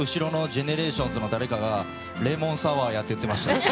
後ろのＧＥＮＥＲＡＴＩＯＮＳの誰かがレモンサワーやって言ってました。